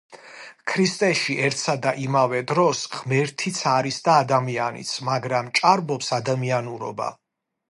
ქრისტეში ერთსა და იმავე დროს ღმერთიც არის და ადამიანიც, მაგრამ ჭარბობს ადამიანურობა.